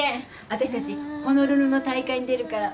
あたしたちホノルルの大会に出るから。